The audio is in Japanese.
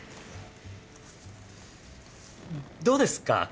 どうですか？